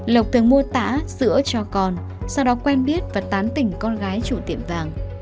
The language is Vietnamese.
lộc từng mua tả sữa cho con sau đó quen biết và tán tỉnh con gái chủ tiệm vàng